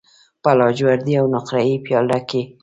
په لاجوردی او نقره یې پیاله کې